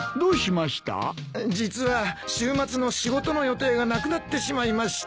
実は週末の仕事の予定がなくなってしまいまして。